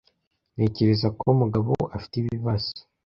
Ntekereza ko Mugabo afite ibibazo